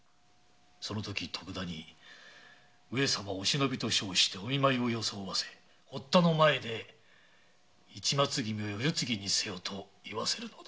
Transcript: そのとき徳田に上様お忍びと称してお見舞いを装わせ堀田の前で「市松君をお世継ぎにせよ」と言わせるのだ。